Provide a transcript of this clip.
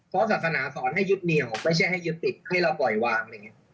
เพราะศาสนาสอนให้ยึดเหนียวไม่ใช่ให้ยึดติดให้เราปล่อยวาง